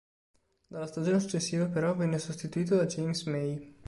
Dalla stagione successiva però venne sostituito da James May.